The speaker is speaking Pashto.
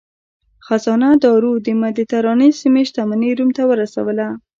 خزانه دارو د مدترانې سیمې شتمني روم ته ورسوله.